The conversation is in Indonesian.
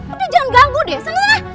udah jangan ganggu deh sama sama